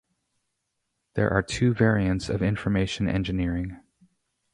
There are two variants of information engineering.